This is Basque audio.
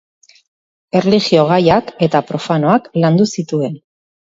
Erlijio-gaiak eta profanoak landu zituen.